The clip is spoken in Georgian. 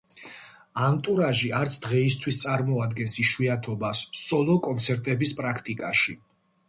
ანტურაჟი არც დღეისთვის წარმოადგენს იშვიათობას სოლო კონცერტების პრაქტიკაში.